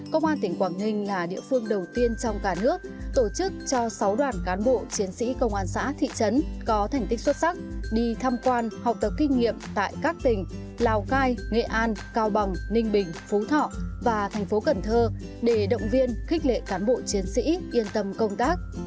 công an tỉnh quảng ninh là địa phương đầu tiên trong cả nước tổ chức cho sáu đoàn cán bộ chiến sĩ công an xã thị trấn có thành tích xuất sắc đi tham quan học tập kinh nghiệm tại các tỉnh lào cai nghệ an cao bằng ninh bình phú thọ và thành phố cần thơ để động viên khích lệ cán bộ chiến sĩ yên tâm công tác